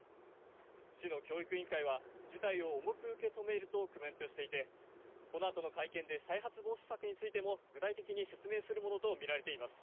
市の教育委員会は、事態を重く受け止めるとコメントしていて、このあとの会見で、再発防止策についても具体的に説明するものと見られています。